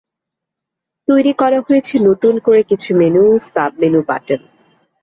তৈরি করা হয়েছে নতুন করে কিছু মেনু, সাব মেনু বাটন।